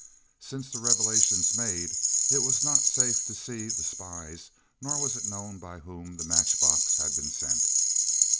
Since the revelations made, it was not safe to see the spies, nor was it known by whom the match box had been sent.